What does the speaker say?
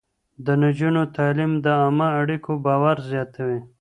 د نجونو تعليم د عامه اړيکو باور زياتوي.